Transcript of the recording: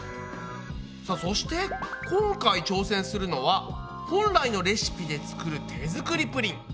さあそして今回挑戦するのは本来のレシピで作る手作りプリン。